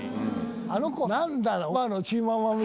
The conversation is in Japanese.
あの子何だろう。